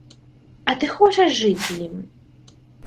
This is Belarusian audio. А ты хочаш жыць з ім!